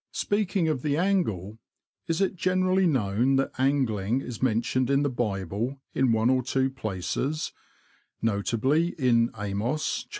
Speaking of the angle, is it generally known that angling is mentioned in the Bible in one or two places, notably in Amos iv.